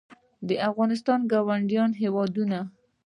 د افغانستان ګاونډي هېوادونه